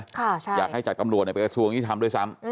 ค่ะใช่อยากให้จัดกำรวจไปง่ายทำด้วยซ้ำ